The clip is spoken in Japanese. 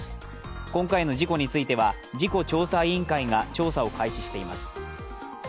今回の事故については、事故調査委員会が調査を開始しています。